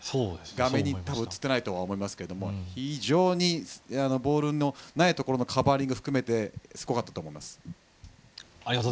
画面に映ってないとは思うんですが非常にボールのないところのカバーも含めすごかったと思います。